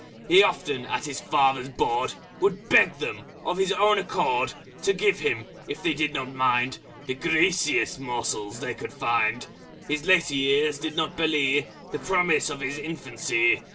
He often, at his Father's Board, Would beg them, of his own accord, To give him, if they did not mind, The Greasiest Morsels they could find His Later Years did not belie The Promise of his Infancy.